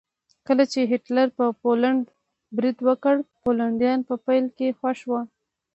کله چې هېټلر په پولنډ برید وکړ پولنډیان په پیل کې خوښ وو